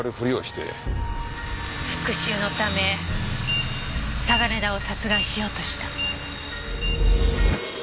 復讐のため嵯峨根田を殺害しようとした。